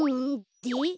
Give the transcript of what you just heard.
で？